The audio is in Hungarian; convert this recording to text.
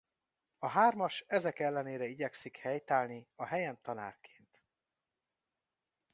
A hármas ezek ellenére igyekszik helyt állni a helyen tanárként.